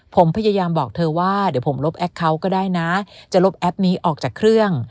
ผมพยายามบอกเธอว่าเดี๋ยวผมลบแอคเเขาก็ได้นะจะลบแอปนี้ออกจากเครื่อง